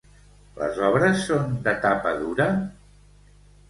Les obres són de tapa dura?